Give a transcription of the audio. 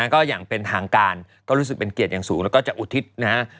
ก็อย่างเป็นทางการก็รู้สึกเป็นเกียรติอย่างสูงแล้วก็จะอุทิศนะฮะ